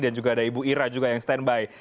dan juga ada ibu ira juga yang standby